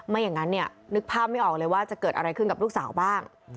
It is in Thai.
อย่างนั้นเนี่ยนึกภาพไม่ออกเลยว่าจะเกิดอะไรขึ้นกับลูกสาวบ้าง